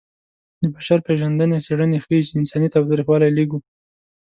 د بشر پېژندنې څېړنې ښيي چې انساني تاوتریخوالی لږ و.